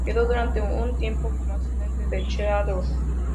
Quedó durante un tiempo como asistente de Schadow.